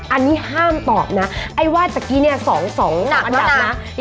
อันนี้ห้ามตอบนะไอ่ว่าตะกี้เนี่ย